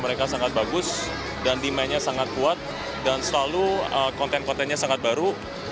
mereka sangat bagus dan demandnya sangat kuat dan selalu konten kontennya sangat baru